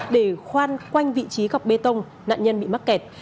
để khoan quanh vị trí gọc bê tông nạn nhân bị mắc kẹt